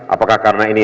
apakah karena ini